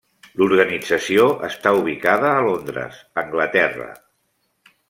L'organització està ubicada a Londres, Anglaterra.